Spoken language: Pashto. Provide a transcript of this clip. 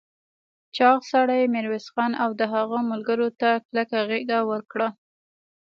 چاغ سړي ميرويس خان او د هغه ملګرو ته کلکه غېږ ورکړه.